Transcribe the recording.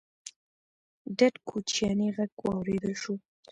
ډډ کوچيانی غږ واورېدل شو: